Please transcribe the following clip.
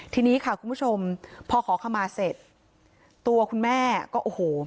ทีนี้ค่ะคุณผู้ชมพอขอขมาเสร็จตัวคุณแม่ก็โอ้โห